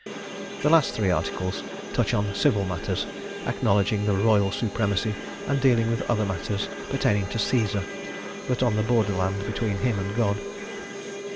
The last three Articles touch on civil matters, acknowledging the Royal Supremacy and dealing with other matters pertaining to Caesar, but on the borderland between him and God.